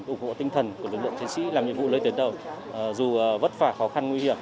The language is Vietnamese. ủng hộ tinh thần của lực lượng chiến sĩ làm nhiệm vụ lấy tuyến đầu dù vất vả khó khăn nguy hiểm